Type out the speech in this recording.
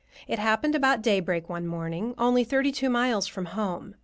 It happened about daybreak one morning, only thirty two miles from home.